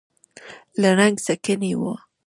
له رنګ سکڼۍ و.